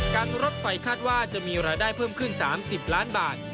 การรถไฟคาดว่าจะมีรายได้เพิ่มขึ้น๓๐ล้านบาท